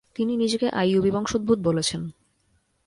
তিনি নিজেকে আইয়ুবী বংশোদ্ভূত বলেছেন।